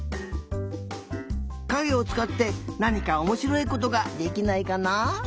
かげをつかってなにかおもしろいことができないかな？